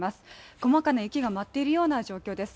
細かな雪が舞っているような状況です。